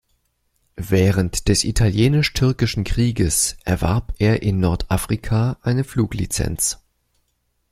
Während des italienisch-türkischen Krieges erwarb er in Nordafrika eine Fluglizenz.